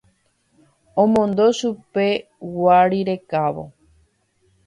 Omondo chupe guari rekávo.